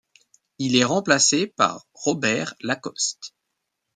Il est remplacé par Robert Lacoste.